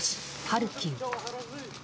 ハルキウ。